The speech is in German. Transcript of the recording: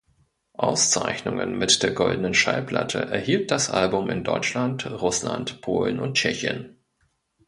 Auszeichnungen mit der Goldenen Schallplatte erhielt das Album in Deutschland, Russland, Polen und Tschechien.